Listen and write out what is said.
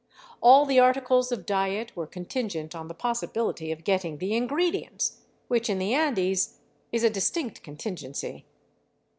All the articles of diet were contingent on the possibility of getting the ingredients, which in the Andes is a distinct contingency.